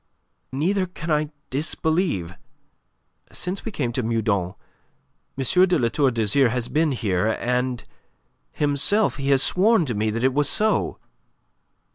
neither can I disbelieve. Since we came to Meudon M. de La Tour d'Azyr has been here, and himself he has sworn to me that it was so."